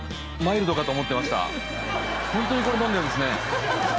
ホントにこれ飲んでるんですね。